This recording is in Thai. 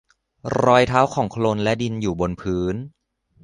รอยเท้าของโคลนและดินอยู่บนพื้น